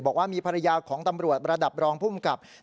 บอกว่ามีภรรยาของตำรวจระดับรองภูมิกับ